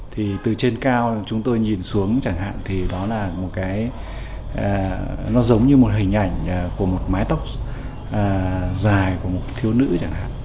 thì từ trên cao chúng tôi nhìn xuống chẳng hạn thì đó là một cái nó giống như một hình ảnh của một mái tóc dài của một thiếu nữ chẳng hạn